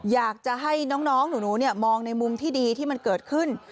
อยากจะให้น้องหนูมองในมุมที่ดีที่มันเกิดขึ้น